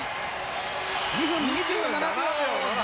２分２７秒７７。